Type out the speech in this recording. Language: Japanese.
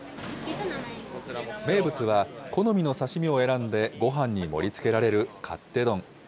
名物は、好みの刺身を選んでごはんに盛りつけられる、勝手丼。